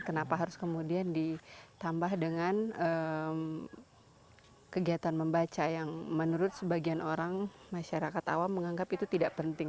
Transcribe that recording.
kenapa harus kemudian ditambah dengan kegiatan membaca yang menurut sebagian orang masyarakat awam menganggap itu tidak penting